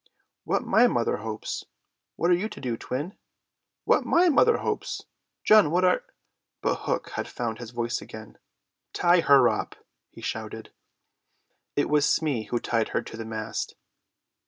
"What my mother hopes. What are you to do, Twin?" "What my mother hopes. John, what are—" But Hook had found his voice again. "Tie her up!" he shouted. It was Smee who tied her to the mast.